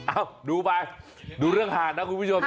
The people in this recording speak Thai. เอ้าดูไปดูเรื่องห่านนะคุณผู้ชมนะ